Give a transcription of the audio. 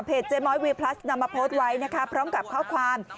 เจ๊ม้อยวีพลัสนำมาโพสต์ไว้นะคะพร้อมกับข้อความ